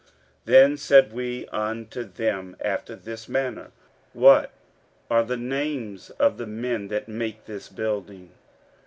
15:005:004 Then said we unto them after this manner, What are the names of the men that make this building?